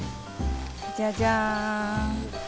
じゃじゃん！